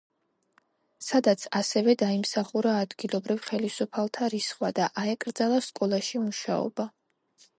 სადაც ასევე დაიმსახურა ადგილობრივ ხელისუფალთა რისხვა და აეკრძალა სკოლაში მუშაობა.